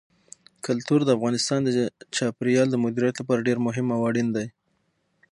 کلتور د افغانستان د چاپیریال د مدیریت لپاره ډېر مهم او اړین دي.